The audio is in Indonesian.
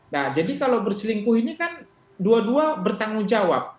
nah jadi kalau berselingkuh ini kan dua dua bertanggung jawab